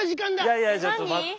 いやいやちょっと待って。